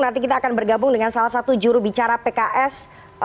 nanti kita akan bergabung dengan salah satu jurubicara pks